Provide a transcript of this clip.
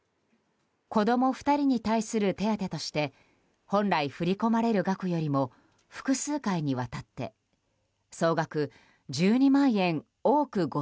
子供２人に対する手当として本来振り込まれる額よりも複数回にわたって総額１２万円多く誤